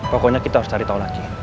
pokoknya kita harus cari tahu lagi